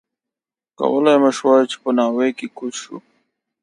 کولای مو شوای چې په ناوې کې کوز شو.